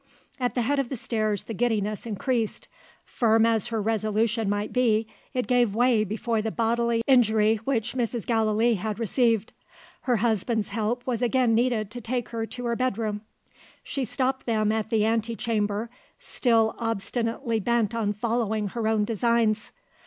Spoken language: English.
At the head of the stairs the giddiness increased. Firm as her resolution might be, it gave way before the bodily injury which Mrs. Gallilee had received. Her husband's help was again needed to take her to her bedroom. She stopped them at the ante chamber; still obstinately bent on following her own designs.